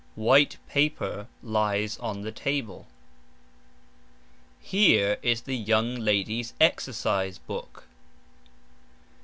White paper lies on the table. Here is the young lady's exercise book.